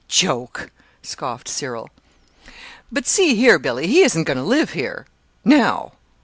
"Joke!" scoffed Cyril. "But, see here, Billy, he isn't going to live here now?"